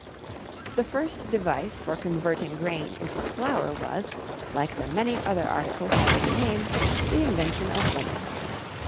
The first device for converting grain into flour was, like the many other articles already named, the invention of woman.